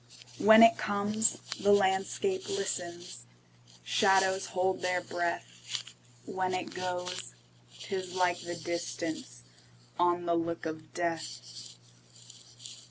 When it comes, the landscape listens, Shadows hold their breath; When it goes, 't is like the distanceOn the look of death.